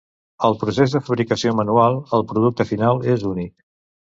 Al procés de fabricació manual, el producte final és únic.